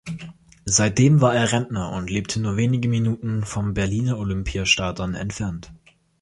Seitdem war er Rentner und lebte nur wenige Minuten vom Berliner Olympiastadion entfernt.